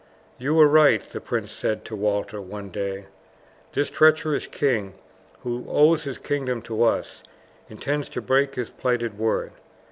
"You were right," the prince said to Walter one day; "this treacherous king, who owes his kingdom to us, intends to break his plighted word.